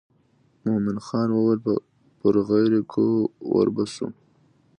مومن خان وویل پر غیر کوو ور به شو.